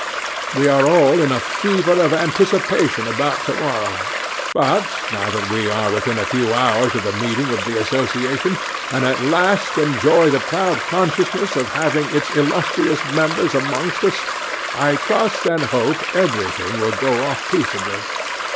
We are all in a fever of anticipation about to morrow; but, now that we are within a few hours of the meeting of the association, and at last enjoy the proud consciousness of having its illustrious members amongst us, I trust and hope everything may go off peaceably.